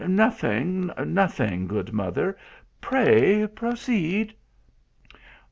" Nothing, nothing, good mother, pray proceed."